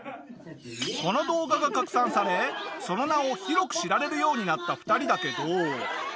この動画が拡散されその名を広く知られるようになった２人だけど。